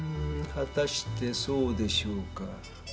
果たしてそうでしょうか。